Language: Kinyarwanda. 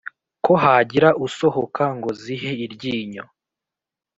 Ko hagira usohoka ngo zihe iryinyo